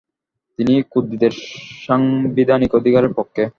তিনি কুর্দিদের সাংবিধানিক অধিকারের পক্ষে।